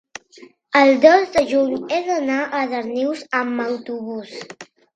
el dos de juny he d'anar a Darnius amb autobús.